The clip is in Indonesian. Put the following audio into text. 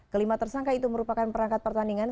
kelima tersangka itu merupakan perangkat pertandingan